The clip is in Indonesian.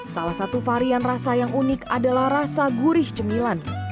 salah satu varian rasa yang unik adalah rasa gurih cemilan